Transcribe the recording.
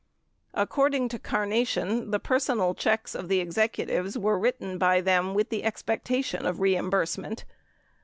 According to Carnation, the personal checks of the executives were written by them with the expectation of reimburse ment.